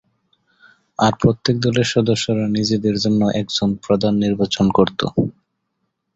আর প্রত্যেক দলের সদস্যরা নিজেদের জন্য একজন প্রধান নির্বাচন করতো।